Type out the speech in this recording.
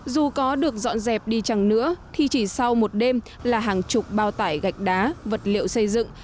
dù có được dọn dẹp đi chẳng nữa thì chỉ sau một đêm là hàng chục bao tải gạch đá vật liệu xây dựng